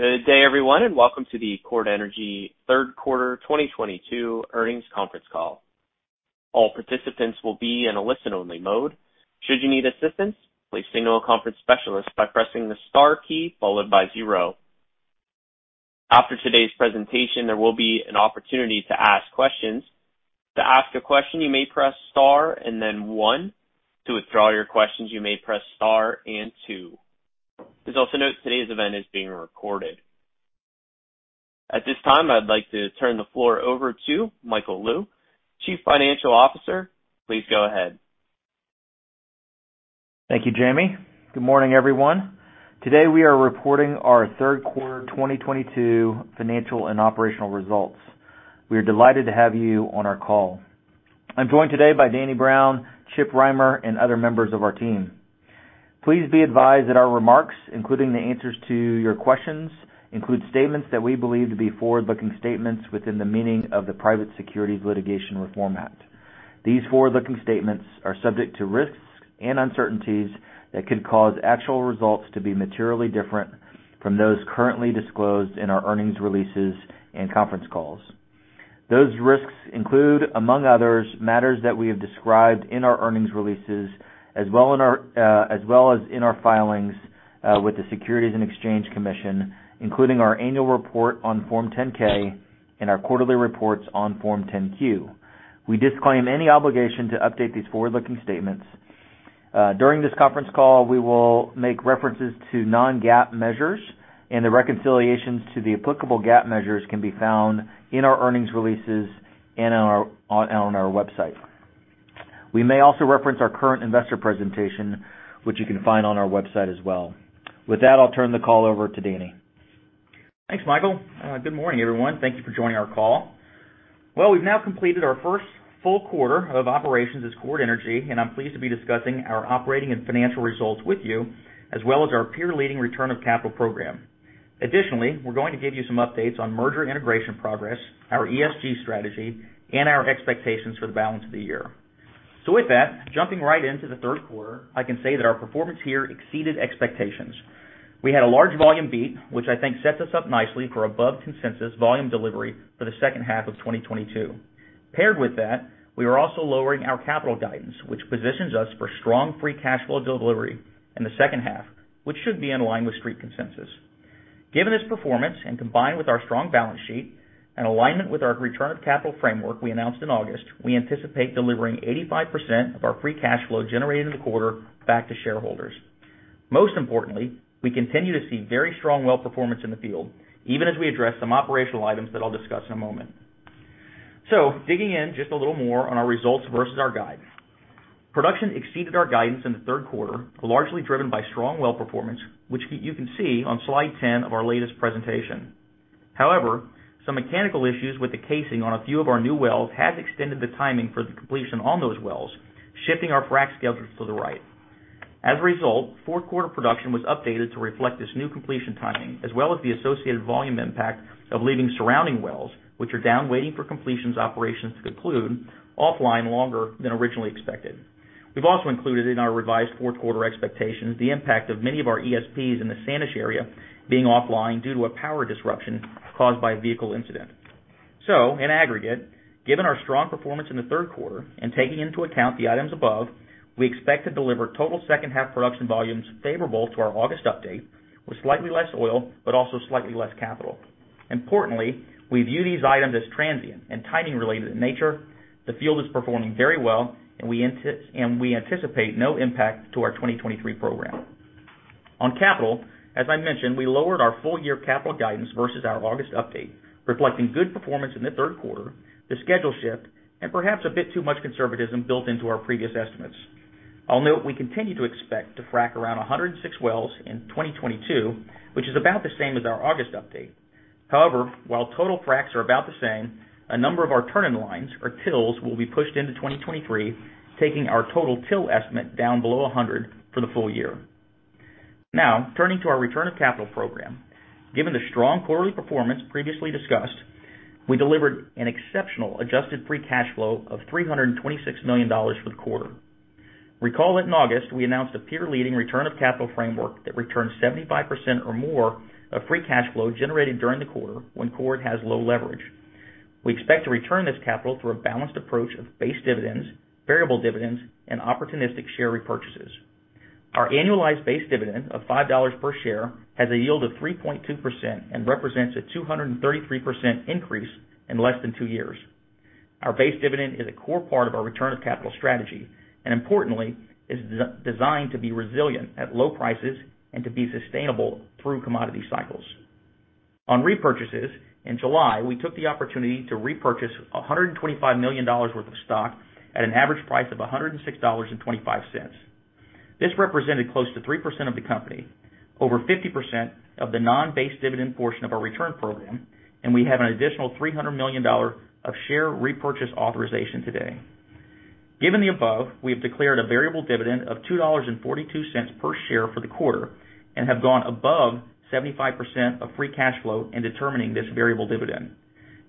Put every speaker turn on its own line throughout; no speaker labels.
Good day, everyone, and welcome to the Chord Energy Third Quarter 2022 Earnings Conference Call. All participants will be in a listen-only mode. Should you need assistance, please signal a conference specialist by pressing the star key followed by zero. After today's presentation, there will be an opportunity to ask questions. To ask a question, you may press star and then one. To withdraw your questions, you may press star and two. Please also note today's event is being recorded. At this time, I'd like to turn the floor over to Michael Lou, Chief Financial Officer. Please go ahead.
Thank you, Jamie. Good morning, everyone. Today, we are reporting our third quarter 2022 financial and operational results. We are delighted to have you on our call. I'm joined today by Daniel Brown, Charles Rimer, and other members of our team. Please be advised that our remarks, including the answers to your questions, include statements that we believe to be forward-looking statements within the meaning of the Private Securities Litigation Reform Act. These forward-looking statements are subject to risks and uncertainties that could cause actual results to be materially different from those currently disclosed in our earnings releases and conference calls. Those risks include, among others, matters that we have described in our earnings releases as well as in our filings with the Securities and Exchange Commission, including our annual report on Form 10-K and our quarterly reports on Form 10-Q. We disclaim any obligation to update these forward-looking statements. During this conference call, we will make references to non-GAAP measures, and the reconciliations to the applicable GAAP measures can be found in our earnings releases and on our website. We may also reference our current investor presentation, which you can find on our website as well. With that, I'll turn the call over to Daniel.
Thanks, Michael. Good morning, everyone. Thank you for joining our call. We've now completed our first full quarter of operations as Chord Energy, and I'm pleased to be discussing our operating and financial results with you, as well as our peer-leading return of capital program. Additionally, we're going to give you some updates on merger and integration progress, our ESG strategy, and our expectations for the balance of the year. With that, jumping right into the third quarter, I can say that our performance here exceeded expectations. We had a large volume beat, which I think sets us up nicely for above-consensus volume delivery for the second half of 2022. Paired with that, we are also lowering our capital guidance, which positions us for strong Free Cash Flow delivery in the second half, which should be in line with Street consensus. Given this performance, and combined with our strong balance sheet and alignment with our return of capital framework we announced in August, we anticipate delivering 85% of our Free Cash Flow generated in the quarter back to shareholders. Most importantly, we continue to see very strong well performance in the field, even as we address some operational items that I'll discuss in a moment. Digging in just a little more on our results versus our guide. Production exceeded our guidance in the third quarter, largely driven by strong well performance, which you can see on Slide 10 of our latest presentation. However, some mechanical issues with the casing on a few of our new wells has extended the timing for the completion on those wells, shifting our frac schedules to the right. As a result, fourth quarter production was updated to reflect this new completion timing, as well as the associated volume impact of leaving surrounding wells, which are down waiting for completions operations to conclude offline longer than originally expected. We've also included in our revised fourth quarter expectations the impact of many of our ESPs in the Sanish area being offline due to a power disruption caused by a vehicle incident. In aggregate, given our strong performance in the third quarter and taking into account the items above, we expect to deliver total second half production volumes favorable to our August update with slightly less oil but also slightly less capital. Importantly, we view these items as transient and timing related in nature. The field is performing very well, and we anticipate no impact to our 2023 program. On capital, as I mentioned, we lowered our full year capital guidance versus our August update, reflecting good performance in the third quarter, the schedule shift, and perhaps a bit too much conservatism built into our previous estimates. I'll note we continue to expect to frac around 106 wells in 2022, which is about the same as our August update. However, while total fracks are about the same, a number of our TILs, or TILs, will be pushed into 2023, taking our total TIL estimate down below 100 for the full year. Now, turning to our return of capital program. Given the strong quarterly performance previously discussed, we delivered an exceptional adjusted Free Cash Flow of $326 million for the quarter. Recall that in August, we announced a peer-leading return of capital framework that returns 75% or more of Free Cash Flow generated during the quarter when Chord has low leverage. We expect to return this capital through a balanced approach of base dividends, variable dividends, and opportunistic share repurchases. Our annualized base dividend of $5 per share has a yield of 3.2% and represents a 233% increase in less than two years. Our base dividend is a core part of our return of capital strategy, and importantly, is designed to be resilient at low prices and to be sustainable through commodity cycles. On repurchases, in July, we took the opportunity to repurchase $125 million worth of stock at an average price of $106.25. This represented close to 3% of the company, over 50% of the non-base dividend portion of our return program, and we have an additional $300 million of share repurchase authorization today. Given the above, we have declared a variable dividend of $2.42 per share for the quarter and have gone above 75% of Free Cash Flow in determining this variable dividend.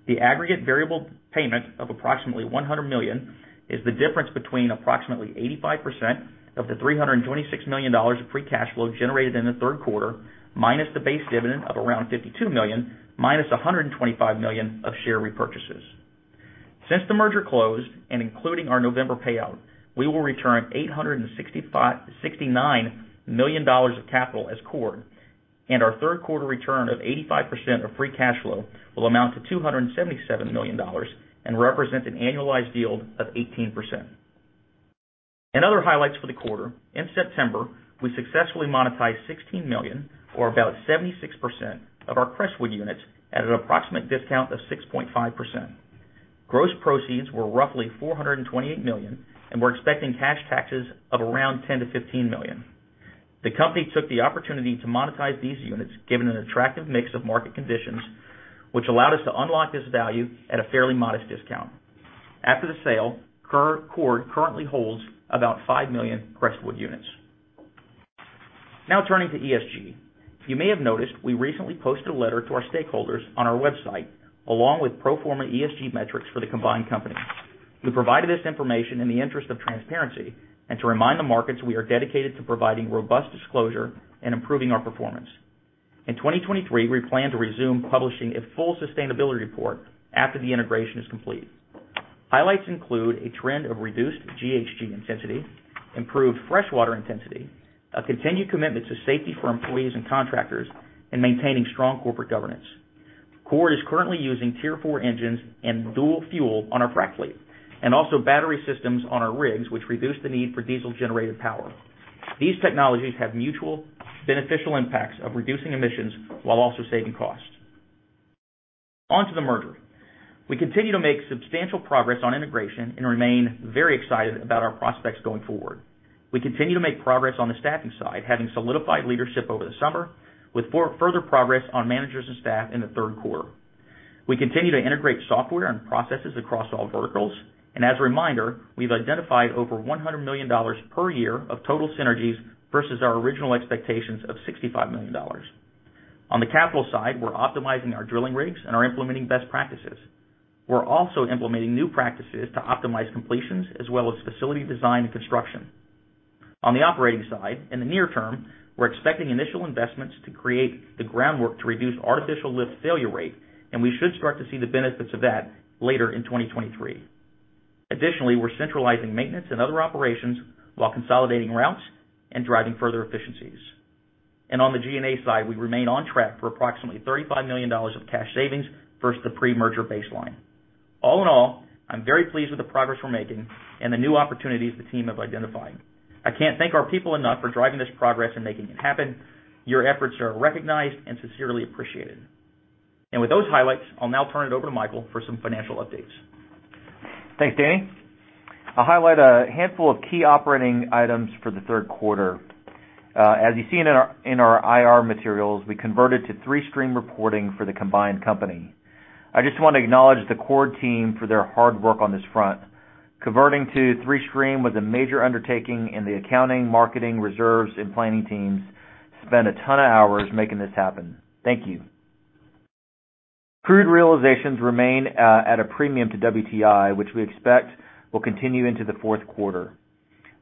The aggregate variable payment of approximately $100 million is the difference between approximately 85% of the $326 million of Free Cash Flow generated in the third quarter, minus the base dividend of around $52 million, minus $125 million of share repurchases. Since the merger closed and including our November payout, we will return $869 million of capital as Chord, and our third quarter return of 85% of Free Cash Flow will amount to $277 million and represent an annualized yield of 18%. In other highlights for the quarter, in September, we successfully monetized 16 million or about 76% of our Crestwood units at an approximate discount of 6.5%. Gross proceeds were roughly $428 million, and we're expecting cash taxes of around $10 million-$15 million. The company took the opportunity to monetize these units, given an attractive mix of market conditions, which allowed us to unlock this value at a fairly modest discount. After the sale, Chord currently holds about 5 million Crestwood units. Now turning to ESG. You may have noticed we recently posted a letter to our stakeholders on our website, along with pro forma ESG metrics for the combined company. We provided this information in the interest of transparency and to remind the markets we are dedicated to providing robust disclosure and improving our performance. In 2023, we plan to resume publishing a full sustainability report after the integration is complete. Highlights include a trend of reduced GHG intensity, improved freshwater intensity, a continued commitment to safety for employees and contractors, and maintaining strong corporate governance. Chord is currently using Tier 4 engines and dual fuel on our frac fleet and also battery systems on our rigs, which reduce the need for diesel-generated power. These technologies have mutual beneficial impacts of reducing emissions while also saving costs. On to the merger. We continue to make substantial progress on integration and remain very excited about our prospects going forward. We continue to make progress on the staffing side, having solidified leadership over the summer with further progress on managers and staff in the third quarter. We continue to integrate software and processes across all verticals. As a reminder, we've identified over $100 million per year of total synergies versus our original expectations of $65 million. On the capital side, we're optimizing our drilling rigs and are implementing best practices. We're also implementing new practices to optimize completions as well as facility design and construction. On the operating side, in the near term, we're expecting initial investments to create the groundwork to reduce artificial lift failure rate, and we should start to see the benefits of that later in 2023. Additionally, we're centralizing maintenance and other operations while consolidating routes and driving further efficiencies. On the G&A side, we remain on track for approximately $35 million of cash savings versus the pre-merger baseline. All in all, I'm very pleased with the progress we're making and the new opportunities the team have identified. I can't thank our people enough for driving this progress and making it happen. Your efforts are recognized and sincerely appreciated. With those highlights, I'll now turn it over to Michael for some financial updates.
Thanks, Danny. I'll highlight a handful of key operating items for the third quarter. As you see in our IR materials, we converted to three-stream reporting for the combined company. I just want to acknowledge the Chord team for their hard work on this front. Converting to three-stream was a major undertaking in the accounting, marketing, reserves, and planning teams spent a ton of hours making this happen. Thank you. Crude realizations remain at a premium to WTI, which we expect will continue into the fourth quarter.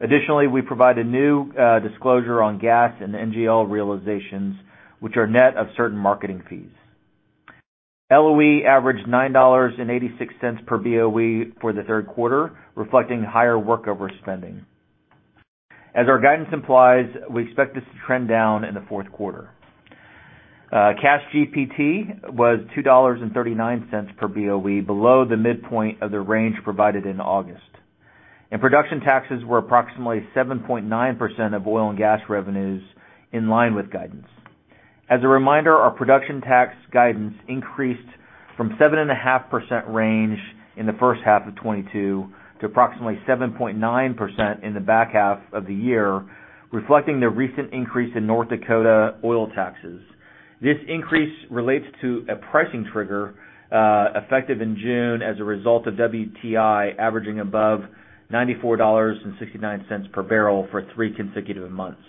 Additionally, we provide a new disclosure on gas and NGL realizations, which are net of certain marketing fees. LOE averaged $9.86 per BOE for the third quarter, reflecting higher workover spending. As our guidance implies, we expect this to trend down in the fourth quarter. Cash GP&T was $2.39 per BOE, below the midpoint of the range provided in August. Production taxes were approximately 7.9% of oil and gas revenues in line with guidance. As a reminder, our production tax guidance increased from 7.5% range in the first half of 2022 to approximately 7.9% in the back half of the year, reflecting the recent increase in North Dakota oil taxes. This increase relates to a pricing trigger effective in June as a result of WTI averaging above $94.69 per barrel for three consecutive months.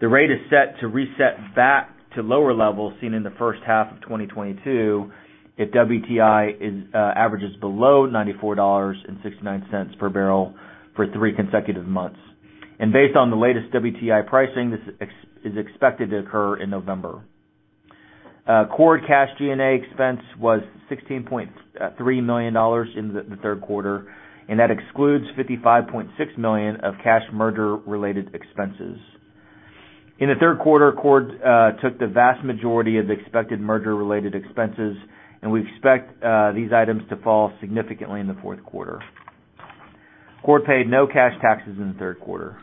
The rate is set to reset back to lower levels seen in the first half of 2022 if WTI averages below $94.69 per barrel for three consecutive months. Based on the latest WTI pricing, this is expected to occur in November. Chord cash G&A expense was $16.3 million in the third quarter, and that excludes $55.6 million of cash merger-related expenses. In the third quarter, Chord took the vast majority of the expected merger-related expenses, and we expect these items to fall significantly in the fourth quarter. Chord paid no cash taxes in the third quarter.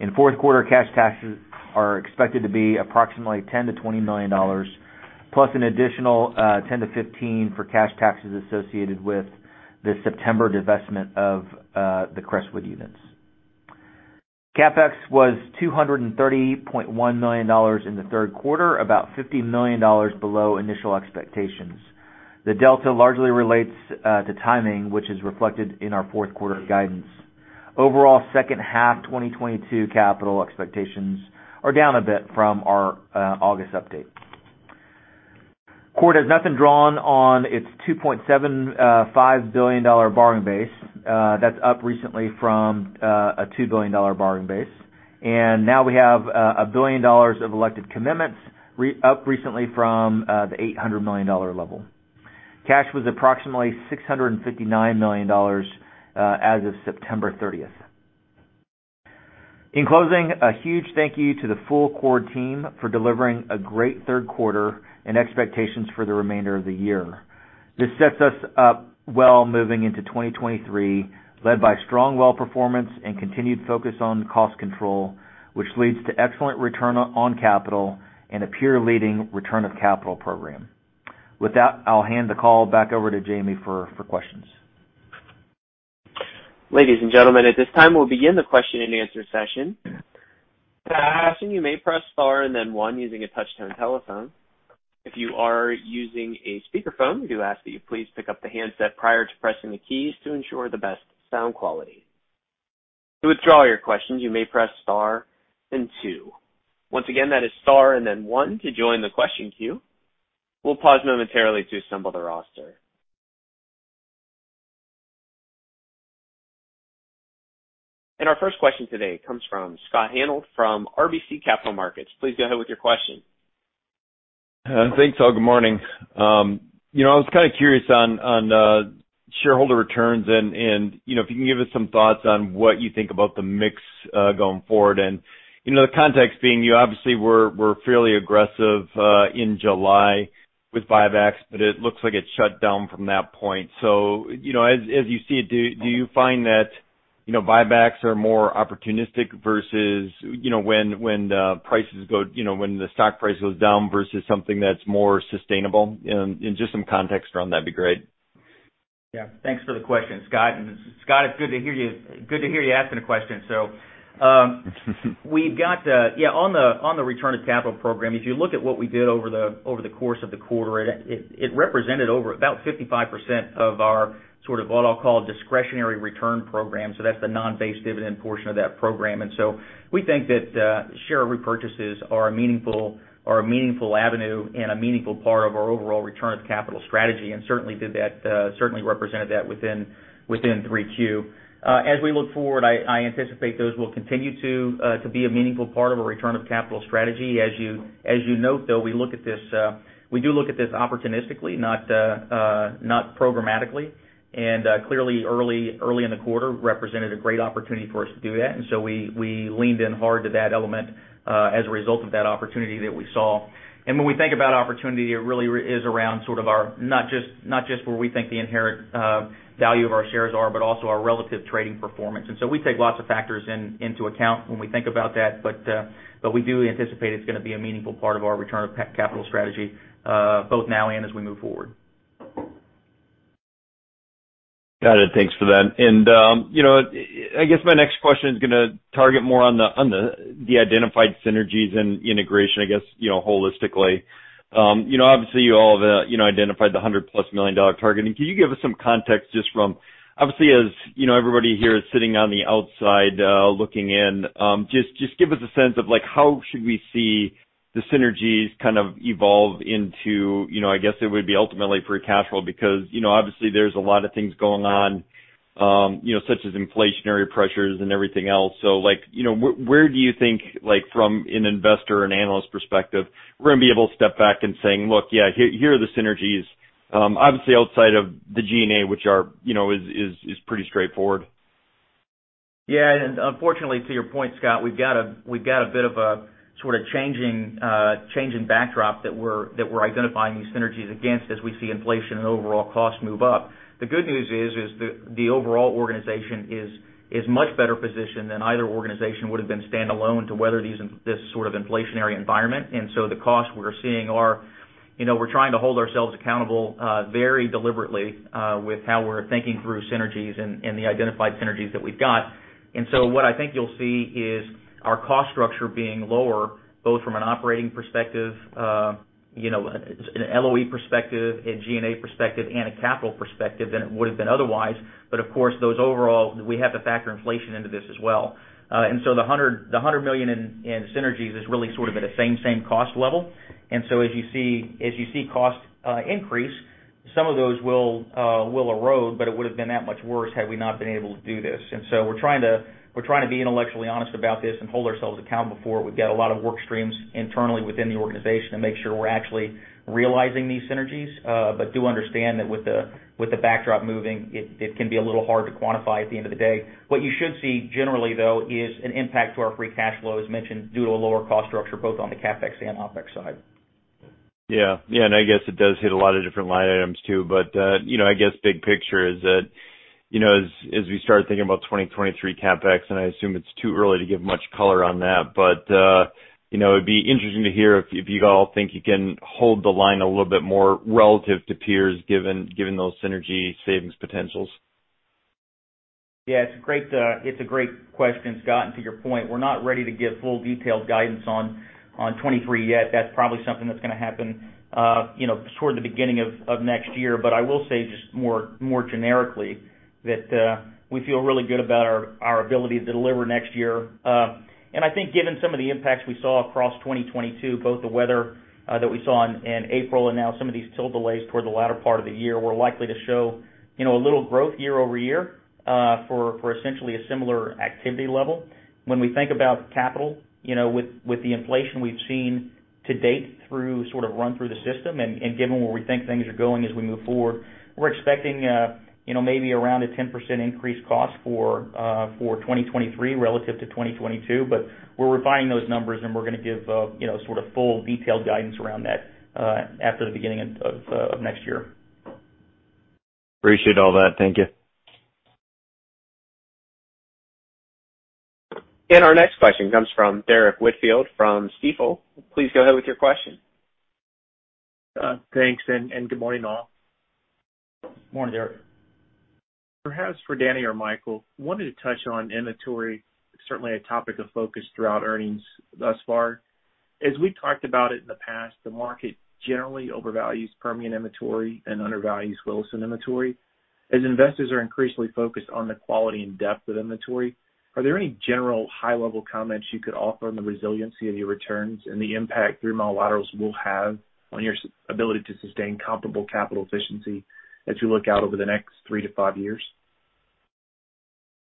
In fourth quarter, cash taxes are expected to be approximately $10-$20 million, plus an additional $10-$15 million for cash taxes associated with the September divestment of the Crestwood units. CapEx was $230.1 million in the third quarter, about $50 million below initial expectations. The delta largely relates to timing, which is reflected in our fourth quarter guidance. Overall second half 2022 capital expectations are down a bit from our August update. Chord has nothing drawn on its $2.75 billion borrowing base. That's up recently from a $2 billion borrowing base. Now we have $1 billion of elected commitments recently up from the $800 million level. Cash was approximately $659 million as of September thirtieth. In closing, a huge thank you to the full Chord team for delivering a great third quarter and expectations for the remainder of the year. This sets us up well moving into 2023, led by strong well performance and continued focus on cost control, which leads to excellent return on capital and a peer-leading return of capital program. With that, I'll hand the call back over to Jamie for questions.
Ladies and gentlemen, at this time, we'll begin the question-and-answer session. To ask a question, you may press star and then one using a touch-tone telephone. If you are using a speakerphone, we do ask that you please pick up the handset prior to pressing the keys to ensure the best sound quality. To withdraw your questions, you may press star then two. Once again, that is star and then one to join the question queue. We'll pause momentarily to assemble the roster. Our first question today comes from Scott Hanold from RBC Capital Markets. Please go ahead with your question.
Thanks, all. Good morning. You know, I was kind of curious on shareholder returns and, you know, if you can give us some thoughts on what you think about the mix going forward. You know, the context being you obviously were fairly aggressive in July with buybacks, but it looks like it shut down from that point. You know, as you see it, do you find that, you know, buybacks are more opportunistic versus, you know, when the stock price goes down versus something that's more sustainable? Just some context around that'd be great.
Yeah, thanks for the question, Scott. Scott, it's good to hear you asking a question. We've got on the return of capital program, as you look at what we did over the course of the quarter, it represented over about 55% of our sort of what I'll call discretionary return program. That's the non-based dividend portion of that program. We think that share repurchases are a meaningful avenue and a meaningful part of our overall return of capital strategy, and certainly represented that within 3Q. As we look forward, I anticipate those will continue to be a meaningful part of our return of capital strategy. As you note, though, we do look at this opportunistically, not programmatically. Clearly, early in the quarter represented a great opportunity for us to do that. We leaned in hard to that element as a result of that opportunity that we saw. When we think about opportunity, it really is around sort of our not just where we think the inherent value of our shares are, but also our relative trading performance. We take lots of factors into account when we think about that. We do anticipate it's gonna be a meaningful part of our return of capital strategy, both now and as we move forward.
Got it. Thanks for that. You know, I guess my next question is gonna target more on the identified synergies and integration, I guess, you know, holistically. You know, obviously you all, you know, identified the $100+ million target. Can you give us some context just from obviously, as you know, everybody here is sitting on the outside, looking in, just give us a sense of like how should we see the synergies kind of evolve into, you know, I guess it would be ultimately Free Cash Flow because, you know, obviously there's a lot of things going on, you know, such as inflationary pressures and everything else. Like, you know, where do you think, like from an investor and analyst perspective, we're gonna be able to step back and saying, "Look, yeah, here are the synergies," obviously outside of the G&A which, you know, is pretty straightforward.
Yeah. Unfortunately, to your point, Scott, we've got a bit of a sort of changing change in backdrop that we're identifying these synergies against as we see inflation and overall costs move up. The good news is the overall organization is much better positioned than either organization would have been standalone to weather this sort of inflationary environment. The costs we're seeing are, you know, we're trying to hold ourselves accountable very deliberately with how we're thinking through synergies and the identified synergies that we've got. What I think you'll see is our cost structure being lower, both from an operating perspective, you know, an LOE perspective, a G&A perspective, and a capital perspective than it would have been otherwise. Of course, those overall, we have to factor inflation into this as well. The $100 million in synergies is really sort of at the same cost level. As you see costs increase, some of those will erode, but it would have been that much worse had we not been able to do this. We're trying to be intellectually honest about this and hold ourselves accountable for it. We've got a lot of work streams internally within the organization to make sure we're actually realizing these synergies. Do understand that with the backdrop moving, it can be a little hard to quantify at the end of the day. What you should see generally, though, is an impact to our Free Cash Flow, as mentioned, due to a lower cost structure both on the CapEx and OpEx side.
Yeah. Yeah, I guess it does hit a lot of different line items too. You know, I guess big picture is that, you know, as we start thinking about 2023 CapEx, and I assume it's too early to give much color on that, but, you know, it'd be interesting to hear if you all think you can hold the line a little bit more relative to peers given those synergy savings potentials.
Yeah, it's a great question, Scott. To your point, we're not ready to give full detailed guidance on 2023 yet. That's probably something that's gonna happen, you know, toward the beginning of next year. I will say just more generically that we feel really good about our ability to deliver next year. I think given some of the impacts we saw across 2022, both the weather that we saw in April and now some of these TIL delays toward the latter part of the year, we're likely to show, you know, a little growth year-over-year for essentially a similar activity level. When we think about capital, you know, with the inflation we've seen to date through sort of run through the system, and given where we think things are going as we move forward, we're expecting, you know, maybe around a 10% increased cost for 2023 relative to 2022. We're refining those numbers, and we're gonna give, you know, sort of full detailed guidance around that, after the beginning of next year.
Appreciate all that. Thank you.
Our next question comes from Derrick Whitfield from Stifel. Please go ahead with your question.
Thanks, and good morning, all.
Morning, Derrick.
Perhaps for Danny or Michael, wanted to touch on inventory. Certainly a topic of focus throughout earnings thus far. As we talked about it in the past, the market generally overvalues Permian inventory and undervalues Williston inventory. As investors are increasingly focused on the quality and depth of inventory, are there any general high-level comments you could offer on the resiliency of your returns and the impact three-mile laterals will have on your sustainability to sustain comparable capital efficiency as you look out over the next three to five years?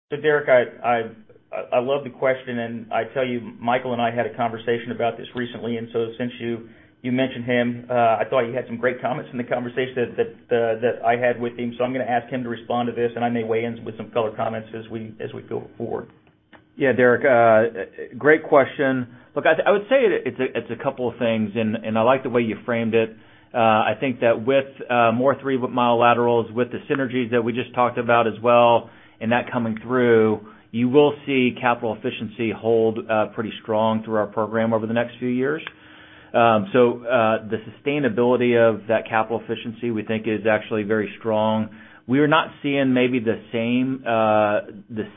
Derrick, I love the question, and I tell you, Michael and I had a conversation about this recently, and since you mentioned him, I thought you had some great comments in the conversation that I had with him. I'm gonna ask him to respond to this, and I may weigh in with some color comments as we go forward.
Yeah, Derrick, great question. Look, I would say it's a couple of things, and I like the way you framed it. I think that with more three-mile laterals, with the synergies that we just talked about as well and that coming through, you will see capital efficiency hold pretty strong through our program over the next few years. So, the sustainability of that capital efficiency, we think is actually very strong. We are not seeing maybe the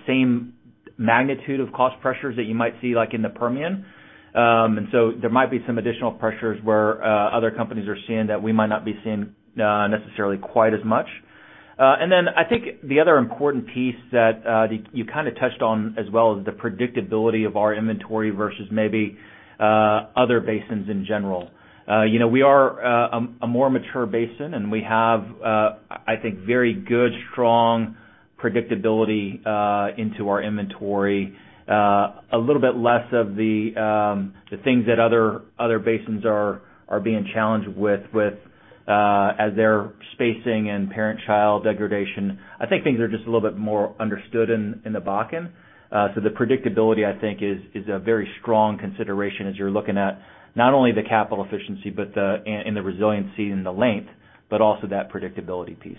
same magnitude of cost pressures that you might see like in the Permian. There might be some additional pressures where other companies are seeing that we might not be seeing necessarily quite as much. I think the other important piece that you kinda touched on as well is the predictability of our inventory versus maybe other basins in general. You know, we are a more mature basin, and we have I think very good strong predictability into our inventory. A little bit less of the things that other basins are being challenged with as their spacing and parent-child degradation. I think things are just a little bit more understood in the Bakken. The predictability I think is a very strong consideration as you're looking at not only the capital efficiency, but the resiliency and the length, but also that predictability piece.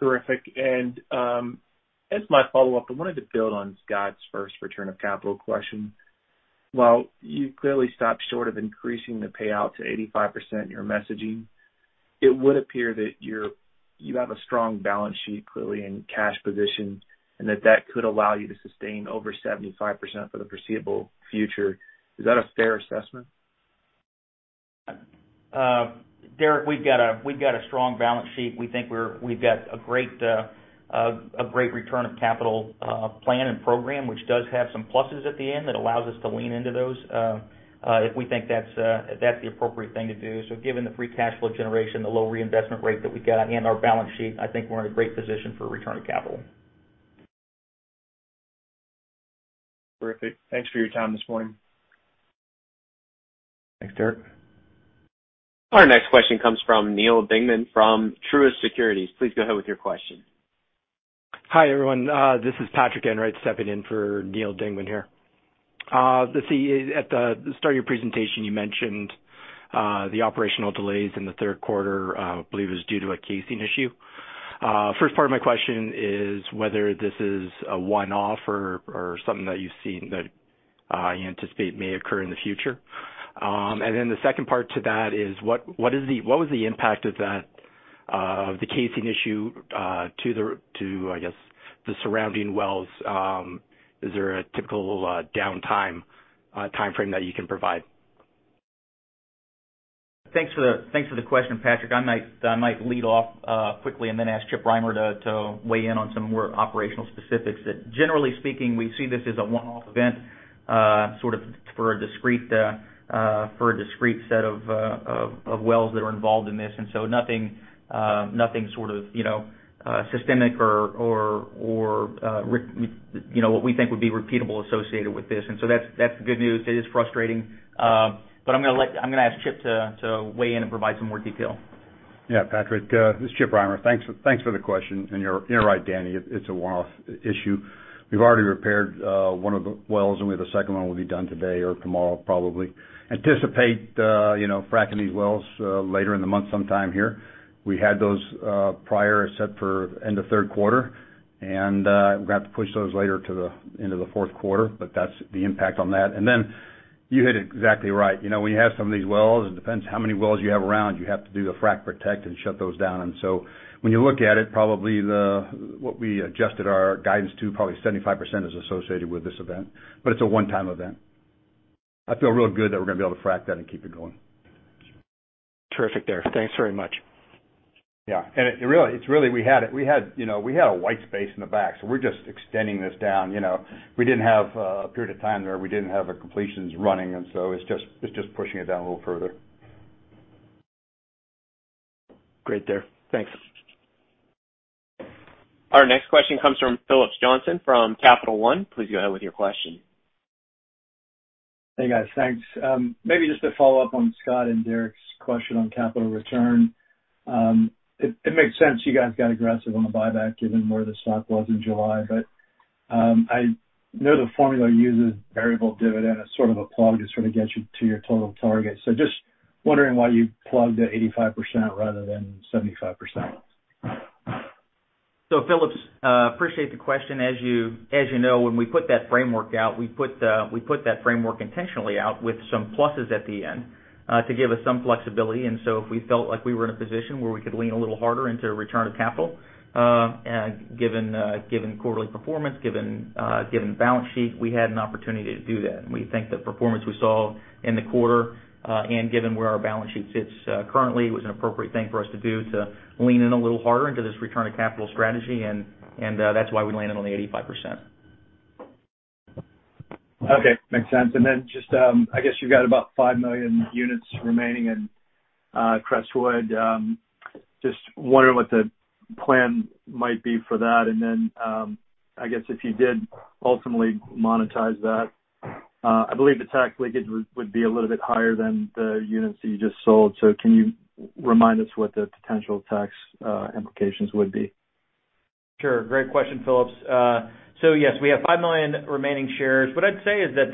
Terrific. As my follow-up, I wanted to build on Scott's first return of capital question. While you've clearly stopped short of increasing the payout to 85% in your messaging, it would appear that you have a strong balance sheet, clearly, and cash position, and that could allow you to sustain over 75% for the foreseeable future. Is that a fair assessment?
Derrick, we've got a strong balance sheet. We think we've got a great return of capital plan and program, which does have some pluses at the end that allows us to lean into those if we think that's the appropriate thing to do. Given the Free Cash Flow generation, the low reinvestment rate that we get, and our balance sheet, I think we're in a great position for a return of capital.
Terrific. Thanks for your time this morning.
Thanks, Derrick.
Our next question comes from Neal Dingmann from Truist Securities. Please go ahead with your question.
Hi, everyone. This is Patrick Enright stepping in for Neal Dingmann here. Let's see. At the start of your presentation, you mentioned the operational delays in the third quarter. I believe it was due to a casing issue. First part of my question is whether this is a one-off or something that you've seen that you anticipate may occur in the future. The second part to that is what was the impact of that, of the casing issue, to, I guess, the surrounding wells. Is there a typical downtime timeframe that you can provide?
Thanks for the question, Patrick. I might lead off quickly and then ask Chip Rimer to weigh in on some more operational specifics. That, generally speaking, we see this as a one-off event, sort of for a discrete set of wells that are involved in this. Nothing sort of systemic or what we think would be repeatable associated with this. That's the good news. It is frustrating, but I'm gonna ask Chip to weigh in and provide some more detail.
Yeah, Patrick, this is Chip Rimer. Thanks for the question. You're right, Danny, it's a one-off issue. We've already repaired one of the wells, and we have a second one will be done today or tomorrow, probably. Anticipate you know fracking these wells later in the month, sometime here. We had those prior set for end of third quarter, and we're gonna have to push those later to the end of the fourth quarter, but that's the impact on that. You hit it exactly right. You know, when you have some of these wells, it depends how many wells you have around, you have to do a frac protection and shut those down. When you look at it, probably what we adjusted our guidance to probably 75% is associated with this event, but it's a one-time event. I feel real good that we're gonna be able to frac that and keep it going.
Terrific, Charles. Thanks very much.
Yeah. Really, we had it. You know, we had a white space in the back, so we're just extending this down. You know, we didn't have a period of time where we didn't have a completions running, and so it's just pushing it down a little further.
Great, Charles. Thanks.
Our next question comes from Phillips Johnston from Capital One. Please go ahead with your question.
Hey, guys. Thanks. Maybe just to follow up on Scott and Derrick's question on capital return. It makes sense you guys got aggressive on the buyback given where the stock was in July. I know the formula uses variable dividend as sort of a plug to sort of get you to your total target. Just wondering why you plugged at 85% rather than 75%.
Phillips, appreciate the question. As you know, when we put that framework out intentionally with some pluses at the end to give us some flexibility. If we felt like we were in a position where we could lean a little harder into return of capital, and given quarterly performance, given the balance sheet, we had an opportunity to do that. We think the performance we saw in the quarter, and given where our balance sheet sits currently, was an appropriate thing for us to do to lean in a little harder into this return of capital strategy, and that's why we landed on the 85%.
Okay. Makes sense. Just, I guess you've got about 5 million units remaining in Crestwood. Just wondering what the plan might be for that. I guess if you did ultimately monetize that, I believe the tax leakage would be a little bit higher than the units that you just sold. Can you remind us what the potential tax implications would be?
Sure. Great question, Phillips. So yes, we have 5 million remaining shares. What I'd say is that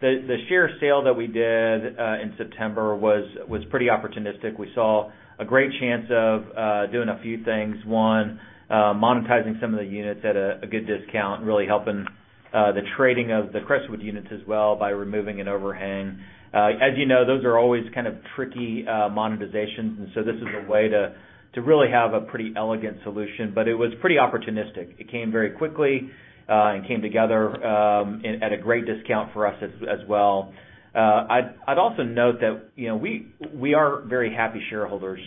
the share sale that we did in September was pretty opportunistic. We saw a great chance of doing a few things. One, monetizing some of the units at a good discount, really helping the trading of the Crestwood units as well by removing an overhang. As you know, those are always kind of tricky monetizations, and so this is a way to really have a pretty elegant solution. But it was pretty opportunistic. It came very quickly and came together at a great discount for us as well. I'd also note that, you know, we are very happy shareholders.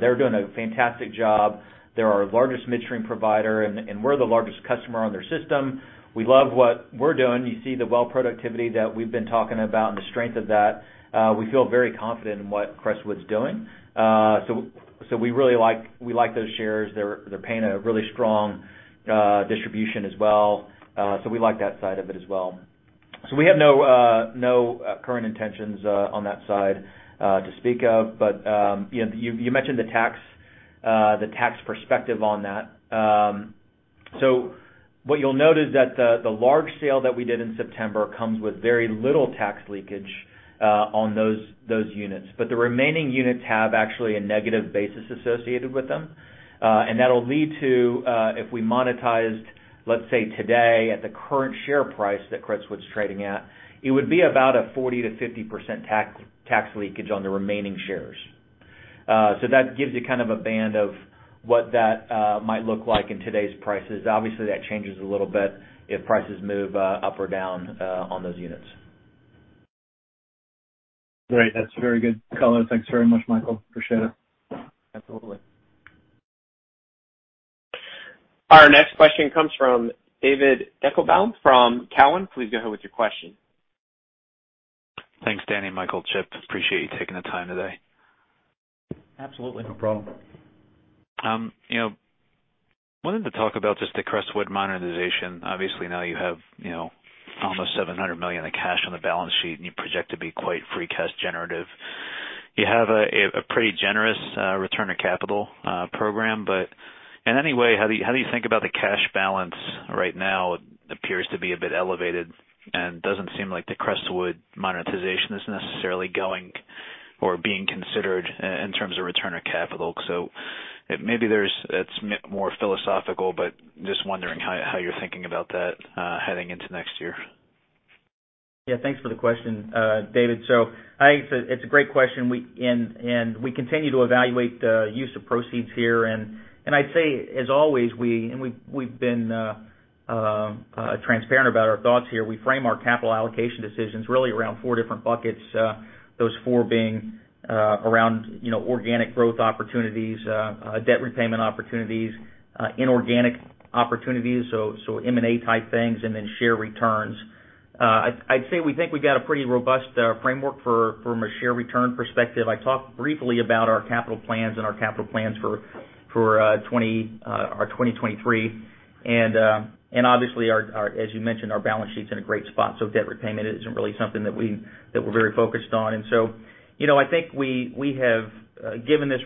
They're doing a fantastic job. They're our largest midstream provider, and we're the largest customer on their system. We love what we're doing. You see the well productivity that we've been talking about and the strength of that. We feel very confident in what Crestwood's doing. We like those shares. They're paying a really strong distribution as well. We like that side of it as well. We have no current intentions on that side to speak of. You know, you mentioned the tax perspective on that. What you'll note is that the large sale that we did in September comes with very little tax leakage on those units. The remaining units have actually a negative basis associated with them. That'll lead to, if we monetized, let's say today at the current share price that Crestwood's trading at, it would be about a 40%-50% tax leakage on the remaining shares. So that gives you kind of a band of what that might look like in today's prices. Obviously, that changes a little bit if prices move up or down on those units.
Great. That's very good color. Thanks very much, Michael. Appreciate it.
Absolutely.
Our next question comes from David Deckelbaum from TD Cowen. Please go ahead with your question.
Thanks, Danny and Michael, Chip. Appreciate you taking the time today.
Absolutely.
No problem.
You know, wanted to talk about just the Crestwood monetization. Obviously, now you have, you know, almost $700 million of cash on the balance sheet, and you project to be quite free cash generative. You have a pretty generous return of capital program. In any way, how do you think about the cash balance right now? It appears to be a bit elevated and doesn't seem like the Crestwood monetization is necessarily going or being considered in terms of return of capital. Maybe it's more philosophical, but just wondering how you're thinking about that heading into next year.
Yeah. Thanks for the question, David. I think it's a great question. We continue to evaluate the use of proceeds here. I'd say, as always, we've been transparent about our thoughts here. We frame our capital allocation decisions really around four different buckets. Those four being around you know, organic growth opportunities, debt repayment opportunities, inorganic opportunities, so M&A type things, and then share returns. I'd say we think we've got a pretty robust framework for from a share return perspective. I talked briefly about our capital plans for 2023. Obviously, as you mentioned, our balance sheet's in a great spot, so debt repayment isn't really something that we're very focused on. You know, I think we have given this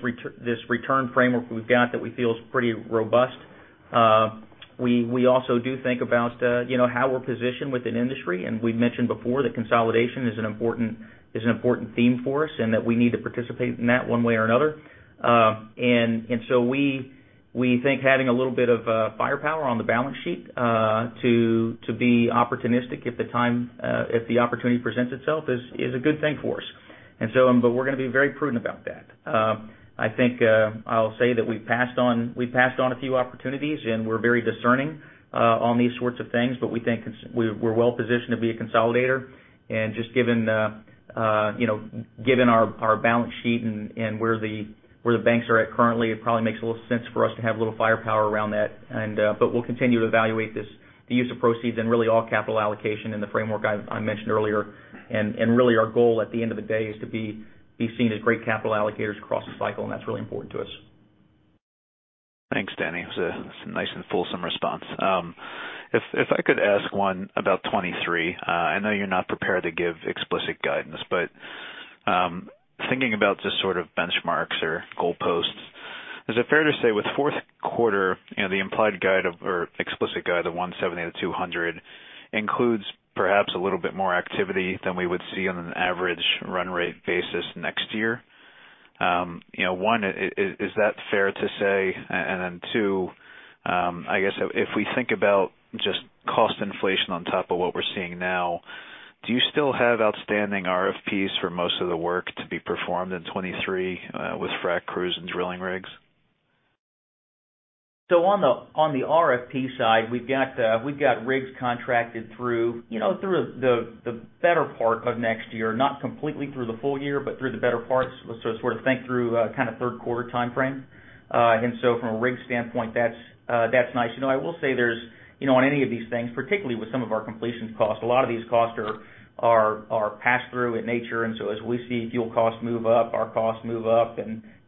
return framework we've got that we feel is pretty robust. We also do think about, you know, how we're positioned within industry, and we've mentioned before that consolidation is an important theme for us, and that we need to participate in that one way or another. We think having a little bit of firepower on the balance sheet to be opportunistic if the opportunity presents itself is a good thing for us. But we're gonna be very prudent about that. I think I'll say that we've passed on a few opportunities, and we're very discerning on these sorts of things, but we think we're well positioned to be a consolidator. Just given you know our balance sheet and where the banks are at currently, it probably makes a little sense for us to have a little firepower around that. But we'll continue to evaluate the use of proceeds and really all capital allocation in the framework I mentioned earlier. Really our goal at the end of the day is to be seen as great capital allocators across the cycle, and that's really important to us.
Thanks, Danny. It was a nice and fulsome response. If I could ask one about 2023, I know you're not prepared to give explicit guidance, but thinking about just sort of benchmarks or goalposts, is it fair to say with fourth quarter, you know, the implied guide of or explicit guide of 170-200 includes perhaps a little bit more activity than we would see on an average run rate basis next year? You know, one, is that fair to say? And then two, I guess if we think about just cost inflation on top of what we're seeing now, do you still have outstanding RFPs for most of the work to be performed in 2023, with frac crews and drilling rigs?
On the RFP side, we've got rigs contracted through, you know, through the better part of next year, not completely through the full year, but through the better parts. Sort of think through kind of third quarter timeframe. From a rig standpoint, that's nice. You know, I will say there's, you know, on any of these things, particularly with some of our completions costs, a lot of these costs are pass-through in nature. As we see fuel costs move up, our costs move up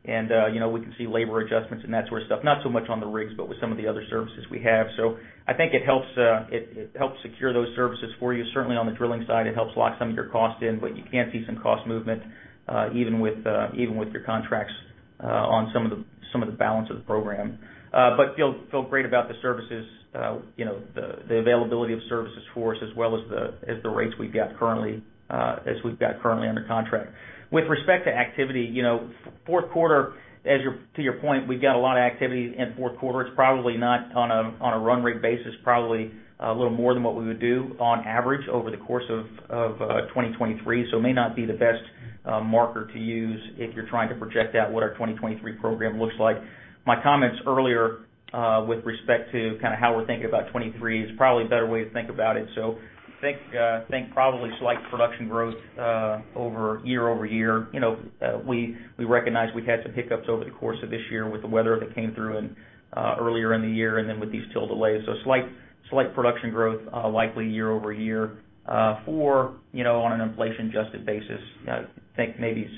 and, you know, we can see labor adjustments and that sort of stuff. Not so much on the rigs, but with some of the other services we have. I think it helps, it helps secure those services for you. Certainly on the drilling side, it helps lock some of your cost in, but you can see some cost movement, even with your contracts, on some of the balance of the program. Feel great about the services, you know, the availability of services for us as well as the rates we've got currently under contract. With respect to activity, you know, fourth quarter, to your point, we've got a lot of activity in fourth quarter. It's probably not on a run rate basis, probably a little more than what we would do on average over the course of 2023. It may not be the best marker to use if you're trying to project out what our 2023 program looks like. My comments earlier with respect to kind of how we're thinking about 2023 is probably a better way to think about it. Think probably slight production growth over year-over-year. You know, we recognize we've had some hiccups over the course of this year with the weather that came through and earlier in the year and then with these TIL delays. Slight production growth likely year-over-year for, you know, on an inflation-adjusted basis. I think maybe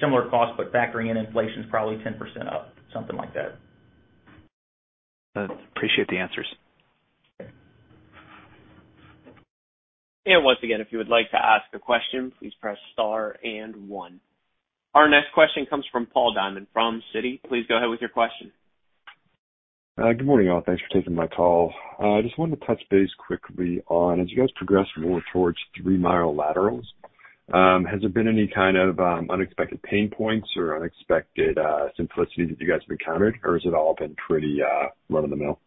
similar costs, but factoring in inflation is probably 10% up, something like that.
I appreciate the answers.
Once again, if you would like to ask a question, please press star and one. Our next question comes from Paul Diamond from Citi. Please go ahead with your question.
Good morning, all. Thanks for taking my call. I just wanted to touch base quickly on, as you guys progress more towards three-mile laterals, has there been any kind of unexpected pain points or unexpected simplicity that you guys have encountered, or has it all been pretty run-of-the-mill?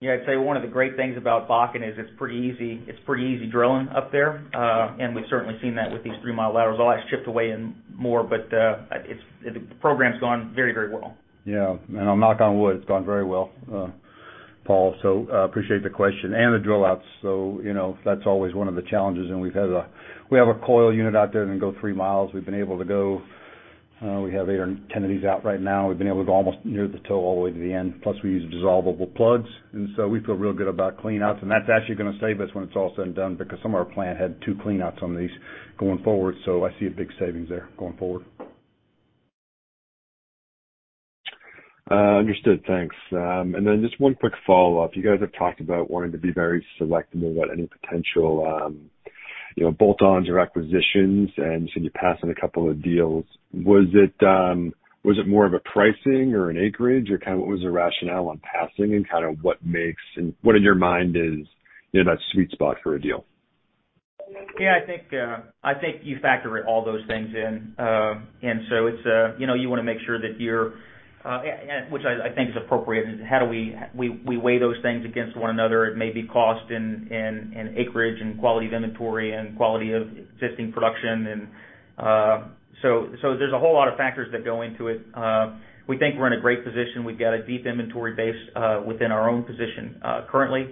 Yeah, I'd say one of the great things about Bakken is it's pretty easy drilling up there. We've certainly seen that with these 3-mile laterals. The last trip today and more, but the program's gone very, very well.
Yeah. I'll knock on wood. It's gone very well, Paul. I appreciate the question. The drill outs. You know, that's always one of the challenges. We have a coil unit out there that can go three miles. We've been able to go, we have eight or 10 of these out right now. We've been able to almost near the toe all the way to the end, plus we use dissolvable plugs. We feel real good about clean outs. That's actually gonna save us when it's all said and done because some of our plan had two clean outs on these going forward. I see a big savings there going forward.
Understood. Thanks. Just one quick follow-up. You guys have talked about wanting to be very selective about any potential, you know, bolt-ons or acquisitions, and you said you're passing a couple of deals. Was it more of a pricing or an acreage or kind of what was the rationale on passing and kind of what makes and what in your mind is, you know, that sweet spot for a deal?
Yeah, I think you factor all those things in. It's you know you wanna make sure that you're and which I think is appropriate, is how do we weigh those things against one another. It may be cost and acreage and quality of inventory and quality of existing production. There's a whole lot of factors that go into it. We think we're in a great position. We've got a deep inventory base within our own position currently.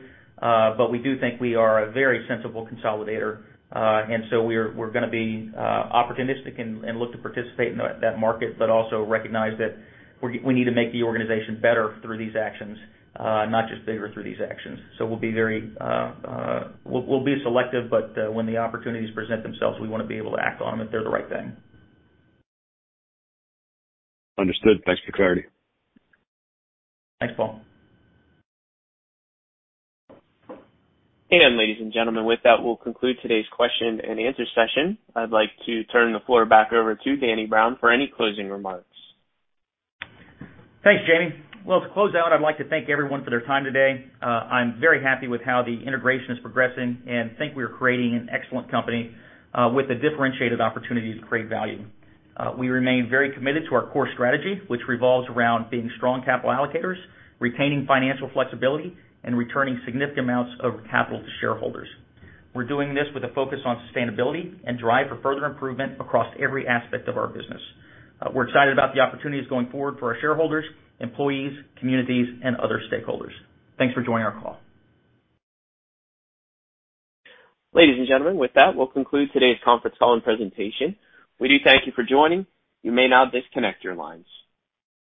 We do think we are a very sensible consolidator. We're gonna be opportunistic and look to participate in that market, but also recognize that we need to make the organization better through these actions, not just bigger through these actions. We'll be very selective, but when the opportunities present themselves, we wanna be able to act on them if they're the right thing.
Understood. Thanks for clarity.
Thanks, Paul.
Ladies and gentlemen, with that, we'll conclude today's question and answer session. I'd like to turn the floor back over to Daniel Brown for any closing remarks.
Thanks, Jamie. Well, to close out, I'd like to thank everyone for their time today. I'm very happy with how the integration is progressing and think we are creating an excellent company, with the differentiated opportunity to create value. We remain very committed to our core strategy, which revolves around being strong capital allocators, retaining financial flexibility, and returning significant amounts of capital to shareholders. We're doing this with a focus on sustainability and drive for further improvement across every aspect of our business. We're excited about the opportunities going forward for our shareholders, employees, communities, and other stakeholders. Thanks for joining our call.
Ladies and gentlemen, with that, we'll conclude today's conference call and presentation. We do thank you for joining. You may now disconnect your lines.